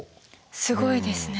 すごいですね。